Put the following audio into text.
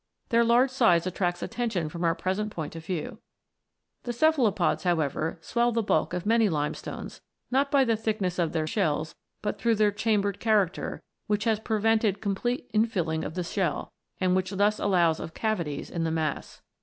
Their large size attracts attention from our present point of view. The cephalopods, however, swell the bulk of many limestones, not by the thickness of their shells, but through their chambered character, which has pre vented complete infilling of the shell, and which thus allows of cavities in the mass.